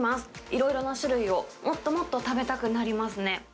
いろいろな種類をもっともっと食べたくなりますね。